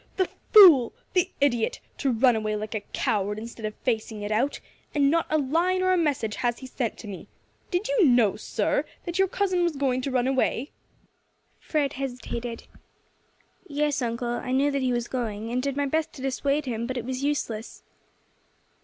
"The fool! the idiot! to run away like a coward instead of facing it out; and not a line or a message has he sent to me. Did you know, sir, that your cousin was going to run away?" Fred hesitated. "Yes, uncle, I knew that he was going, and did my best to dissuade him, but it was useless."